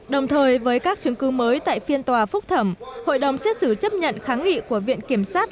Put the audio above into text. đồng thời với các chứng cứ mới tại phiên tòa phúc thẩm hội đồng xét xử chấp nhận kháng nghị của viện kiểm sát